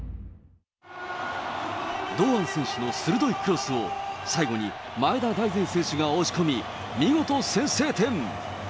堂安選手の鋭いクロスを、最後に前田大然選手が押し込み、見事先制点。